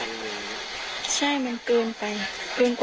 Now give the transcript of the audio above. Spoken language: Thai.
อาจจะเกินไปค่ะ